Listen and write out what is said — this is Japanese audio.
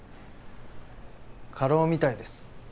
過労みたいです。